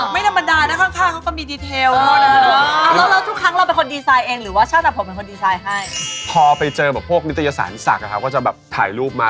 ไม่ธรรมดานะข้างเขาก็มีดีเทล